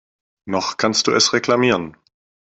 Noch kannst du es reklamieren.